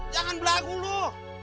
jangan berlaku lo